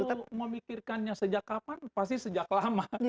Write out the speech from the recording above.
kalau mau mikirkannya sejak kapan pasti sejak lama